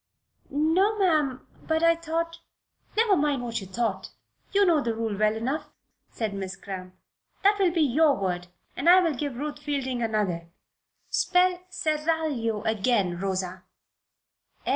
"No, ma'am; but I thought..." "Never mind what you thought. You know the rule well enough," said Miss Cramp. "That will be your word, and I will give Ruth Fielding another. Spell 'seraglio' again, Rosa."